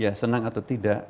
ya senang atau tidak